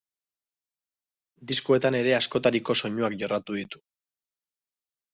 Diskoetan ere askotariko soinuak jorratu ditu.